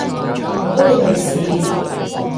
我都會去試